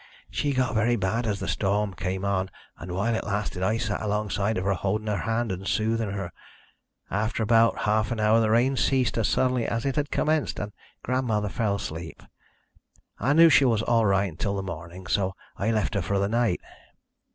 She got very bad as the storm came on, and while it lasted I sat alongside of her holding her hand and soothing her. After about half an hour the rain ceased as suddenly as it had commenced, and grandmother fell asleep. I knew she was all right until the morning, so I left her for the night.